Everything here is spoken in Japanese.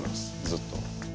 ずっと。